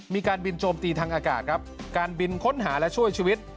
มีการบินโจมตีทางอากาศครับการบินค้นหาและช่วยชีวิต